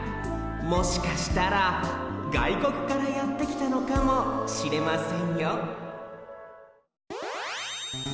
もしかしたらがいこくからやってきたのかもしれませんよ